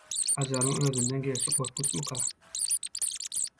Ajalyň özünden gelşi gorkunçmyka?